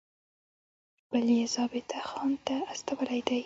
بل یې ضابطه خان ته استولی دی.